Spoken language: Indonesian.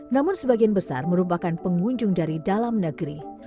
namun sebagian besar merupakan pengunjung dari dalam negeri